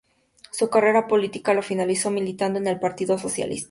Su carrera política la finalizó militando en el Partido Socialista.